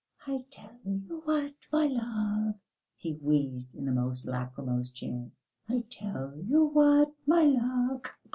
"I tell you what, my love," he wheezed in the most lachrymose chant, "I tell you what, my love